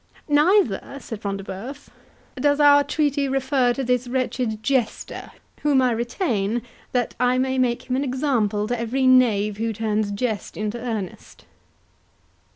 "Neither," said Front de Bœuf, "does our treaty refer to this wretched Jester, whom I retain, that I may make him an example to every knave who turns jest into earnest."